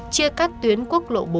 chia cắt tuyến quốc lộ bốn